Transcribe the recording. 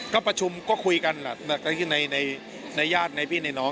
ก็ประชุมก็คุยกันในญาติในพี่ในน้อง